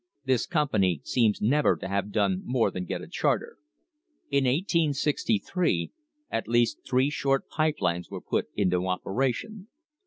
This company seems never to have done more than get a charter. In 1863 at least three short pipe lines were put into operation.